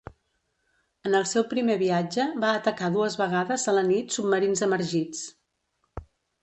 En el seu primer viatge, va atacar dues vegades a la nit submarins emergits.